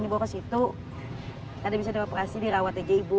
di situ nggak bisa dioperasi dirawat aja ibu